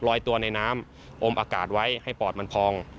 ลอยตัวในน้ำอมอากาศไว้ให้ปอดมันพอง